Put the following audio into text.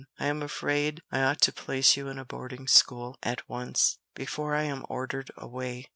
I am afraid I ought to place you in a boarding school at once, before I am ordered away."